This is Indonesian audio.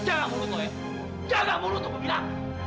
jangan mulut lo ya jangan mulut lo pemirah